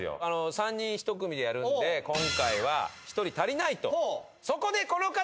３人１組でやるんで今回は一人足りないと。